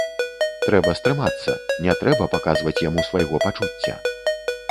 Трэба стрымацца, не трэба паказваць яму свайго пачуцця.